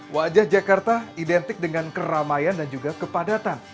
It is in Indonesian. wajah jakarta identik dengan keramaian dan juga kepadatan